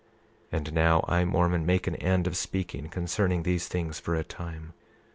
28:24 And now I, Mormon, make an end of speaking concerning these things for a time.